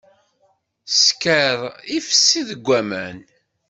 Sskeṛ ifessi deg aman.